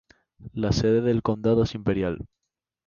La sede del condado es Imperial.